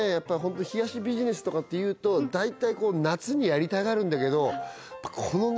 冷やしビジネスとかっていうと大体夏にやりたがるんだけどこのね